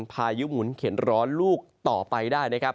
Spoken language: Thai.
พายุหมุนเข็นร้อนลูกต่อไปได้นะครับ